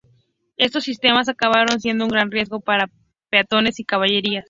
Estos sistemas acabaron siendo un gran riesgo para peatones y caballerías.